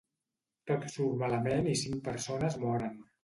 Tot surt malament i cinc persones moren.